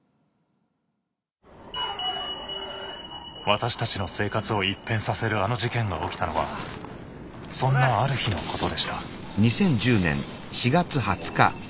私たちの生活を一変させるあの事件が起きたのはそんなある日のことでした。